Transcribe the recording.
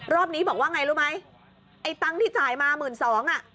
รอบนี้บอกว่าไงรู้ไหมไอ้ตังค์ที่จ่ายมาหมื่นสองอ่ะ